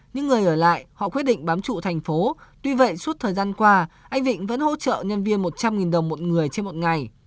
những người ở lại họ quyết định bám trụ thành phố tuy vậy suốt thời gian qua anh vịnh vẫn hỗ trợ nhân viên một trăm linh đồng một người trên một ngày